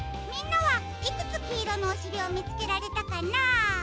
みんなはいくつきいろのおしりをみつけられたかな？